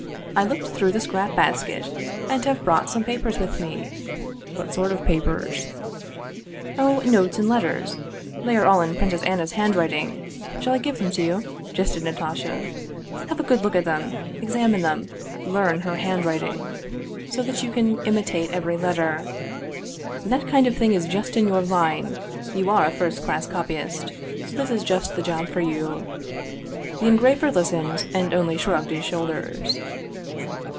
" I looked through the scrap basket, and have brought some papers with me." " What sort of papers? "" Oh, letters and notes. They are all in Princess Anna's handwriting. Shall I give them to you?" jested Natasha. " Have a good look at them, examine them, learn her handwriting, so that you can imitate every letter. That kind of thing is just in your line ; you are a first class copy ist, so this is just the job for you." The engraver listened, and only shrugged his shoulders.